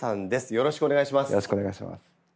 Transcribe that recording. よろしくお願いします。